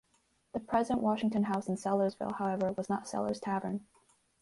The present Washington House in Sellersville, however, was not Sellers Tavern.